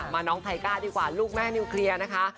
น้องไทก้าดีกว่าลูกแม่นิวเคลียร์นะคะ